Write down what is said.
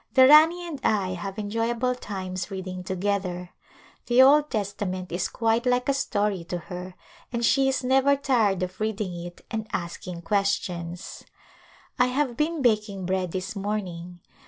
The Rani and I have enjoyable times reading to gether. The Old Testament is quite like a story to her and she is never tired of reading it and asking questions. I have been baking bread this morning.